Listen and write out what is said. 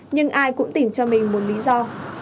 nhưng ai cũng tỉnh cho mình một lý do